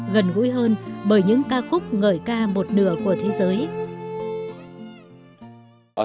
gần gũi hơn bởi những ca khúc ngợi ca một nửa của thế giới